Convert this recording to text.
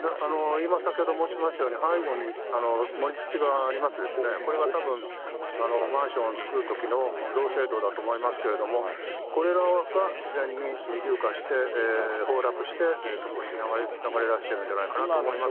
今、先ほど申しましたように、背後に盛り土がありますですね、これはたぶん、マンションを造るときの造成土だと思いますけれども、これが左に流下して、崩落して、そこに流れ出してるんじゃないかなと思いま